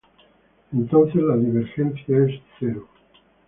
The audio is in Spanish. Entonces la divergencia es cero.